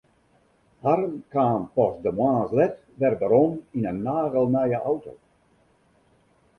Harm kaam pas de moarns let wer werom yn in nagelnije auto.